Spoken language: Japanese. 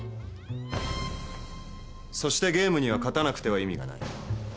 そしてゲームには勝たなくては意味がない。